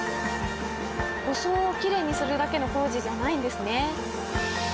装をきれいにするだけの工事じゃないんですね。